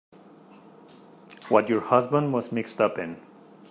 What your husband was mixed up in.